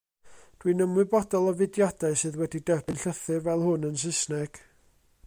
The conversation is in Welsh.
Dwi'n ymwybodol o fudiadau sydd wedi derbyn llythyr fel hwn yn Saesneg.